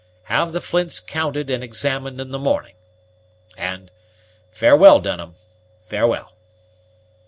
Have the flints counted and examined in the morning and farewell, Dunham, farewell!"